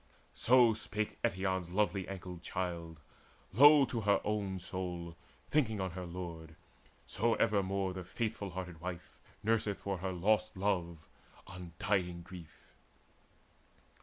So spake Eetion's lovely ankled child Low to her own soul, thinking on her lord. So evermore the faithful hearted wife Nurseth for her lost love undying grief.